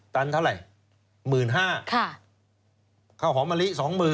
ตันเท่าไหร่๑๕๐๐บาทข้าวหอมมะลิ๒๐๐๐